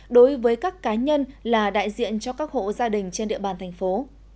đối với các cá nhân là đại diện cho các hộ gia đình trên địa bàn thành phố